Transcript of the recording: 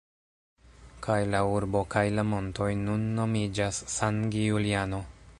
Kaj la urbo kaj la montoj nun nomiĝas San Giuliano.